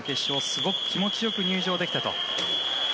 すごく気持ちよく入場できたと。